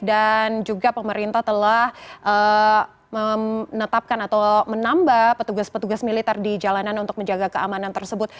dan juga pemerintah telah menetapkan atau menambah petugas petugas militer di jalanan untuk menjaga keamanan tersebut